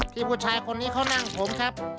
พี่ผู้ชายเป็นใครเขานั่งผมครับ